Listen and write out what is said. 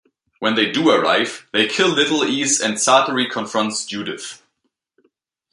When they do arrive, they kill Little Ease and Sartori confronts Judith.